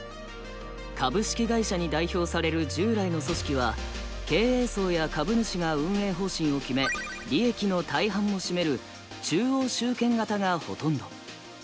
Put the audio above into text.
株式会社に代表される従来の組織は経営層や株主が運営方針を決め利益の大半を占める中央集権型がほとんど。